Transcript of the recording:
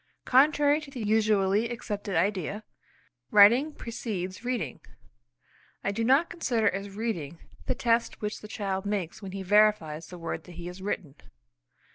Contrary to the usually accepted idea, writing precedes reading. I do not consider as reading the test which the child makes when he verifies the word that he has written.